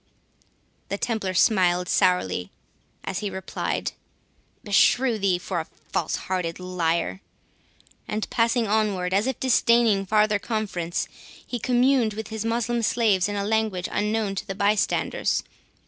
15 The Templar smiled sourly as he replied, "Beshrew thee for a false hearted liar!" and passing onward, as if disdaining farther conference, he communed with his Moslem slaves in a language unknown to the bystanders.